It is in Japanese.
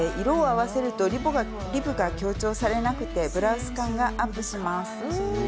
色を合わせるとリブが強調されなくてブラウス感がアップします。